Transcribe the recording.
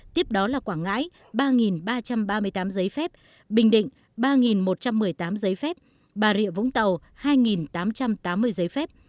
tiếp đó là quảng ngãi ba ba trăm ba mươi tám giấy phép bình định ba một trăm một mươi tám giấy phép bà rịa vũng tàu hai tám trăm tám mươi giấy phép